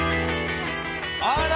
あら！